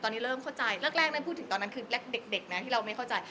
ตอนนี้เริ่มเข้าใจแรกพูดถึงเด็กนะที่เราไม่เข้าใจ